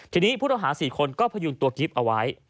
ทีนี้ผู้ต้องหา๔คนก็พยุงตัวกิฟต์เอาไว้